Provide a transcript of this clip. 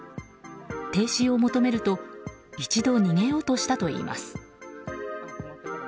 停止を求めると一度、逃げようとしたといいます。